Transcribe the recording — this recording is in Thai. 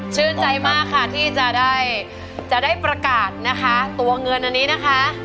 ชื่นใจมากค่ะที่จะได้จะได้ประกาศนะคะตัวเงินอันนี้นะคะ